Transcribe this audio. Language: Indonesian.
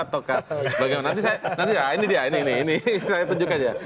nanti saya tunjukkan